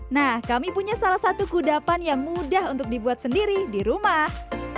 nah kami punya salah satu kudapan yang mudah untuk dibuat sendiri di rumah